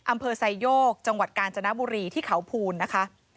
อำเภอไซโยกจังหวัดกาญจนบุรีที่เขาภูนนะคะ